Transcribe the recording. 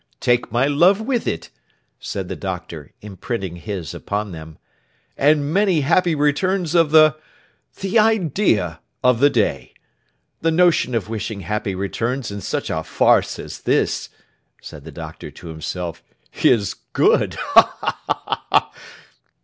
Take my love with it,' said the Doctor, imprinting his upon them; 'and many happy returns of the—the idea!—of the day. The notion of wishing happy returns in such a farce as this,' said the Doctor to himself, 'is good! Ha! ha! ha!